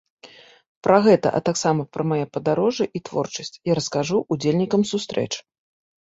Пра гэта, а таксама пра мае падарожжа і творчасць я раскажу ўдзельнікам сустрэч.